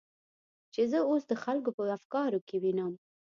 چې زه اوس د خلکو په افکارو کې وینم.